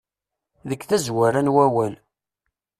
Deg tazwara n wawal.